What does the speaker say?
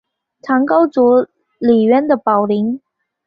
唐高祖李渊的宝林。